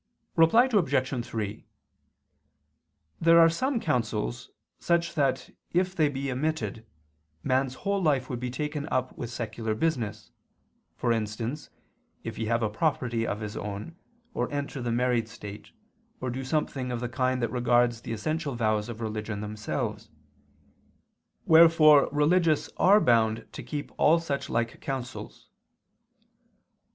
Reply Obj. 3: There are some counsels such that if they be omitted, man's whole life would be taken up with secular business; for instance if he have property of his own, or enter the married state, or do something of the kind that regards the essential vows of religion themselves; wherefore religious are bound to keep all such like counsels.